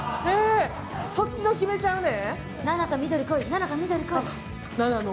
そっちの決めちゃうね。